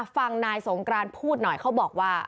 ฟังนายสงกรานพูดหน่อยเขาบอกว่า